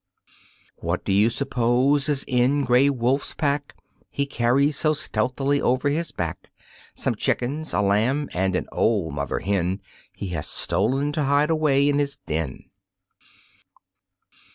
What do you suppose is in Gray Wolf's pack He carries so stealthily over his back? Some chickens, a lamb and an old mother hen He has stolen to hide away in his den.